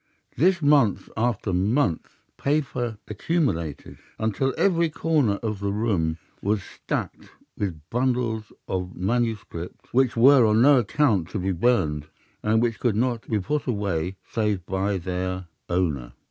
Thus month after month his papers accumulated, until every corner of the room was stacked with bundles of manuscript which were on no account to be burned, and which could not be put away save by their owner.